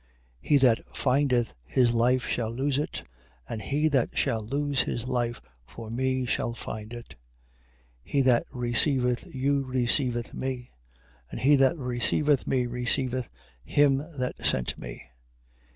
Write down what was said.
10:39. He that findeth his life, shall lose it: and he that shall lose his life for me, shall find it. 10:40. He that receiveth you, receiveth me: and he that receiveth me, receiveth him that sent me.